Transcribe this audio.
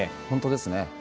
本当ですね。